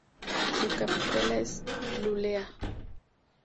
Su capital es Luleå.